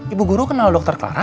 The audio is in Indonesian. ibu guru kenal dokter clara